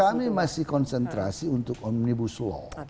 kami masih konsentrasi untuk omnibus law